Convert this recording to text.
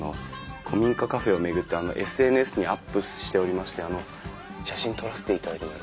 古民家カフェを巡ってＳＮＳにアップしておりましてあの写真撮らせていただいてもよろしいですか？